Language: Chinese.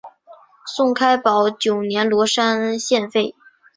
宋开宝九年罗山县废。